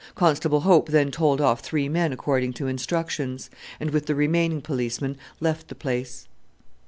Constable Hope then told off three men according to instructions, and with the remaining policeman left the place.